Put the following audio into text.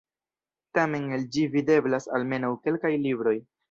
Tamen el ĝi videblas almenaŭ kelkaj libroj.